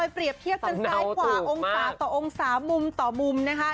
เปรียบเทียบกันซ้ายกว่าองศาต่อองศามุมต่อมุมนะคะ